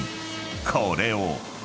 ［これを］